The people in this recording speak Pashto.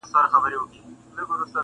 دا جلادان ستا له زاریو سره کار نه لري-